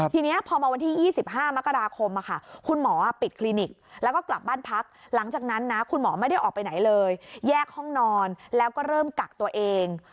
ทีนี้พอมาวันที่๒๕มกราคมคุณหมอปิดคลินิกแล้วก็กลับบ้านพักหลังจากนั้นนะคุณหมอไม่ได้ออกไปไหนเลยแยกห้องนอนแล้วก็เริ่มกักตัวเอง